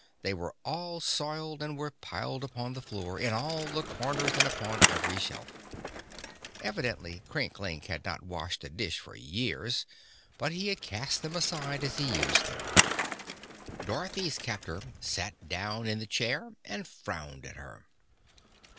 They were all soiled, and were piled upon the floor, in all the corners and upon every shelf. Evidently Crinklink had not washed a dish for years, but had cast them aside as he used them. Dorothy's captor sat down in the chair and frowned at her.